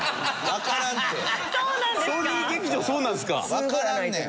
わからんねん。